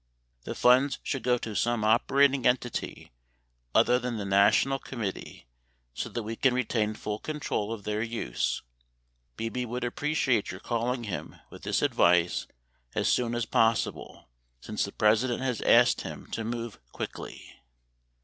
The funds should go to some operating entity other than the national committee so that we can retain full control of their use. Bebe would appreciate your calling him with this advice as soon as possible since the President has asked him to move quickly.